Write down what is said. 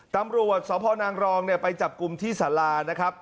ตำรวจสพนางรองไปจับกลุ่มที่สารานะครับ